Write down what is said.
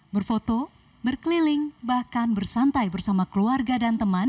berfoto berkeliling bahkan bersantai bersama keluarga dan teman